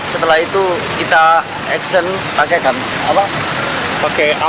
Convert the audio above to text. setelah itu kita action pake apa